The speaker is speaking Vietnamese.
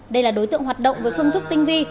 đây là đối tượng hoạt động với phương thức tinh vi